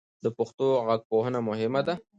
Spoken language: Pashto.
د پښتو غږپوهنه مهمه ده.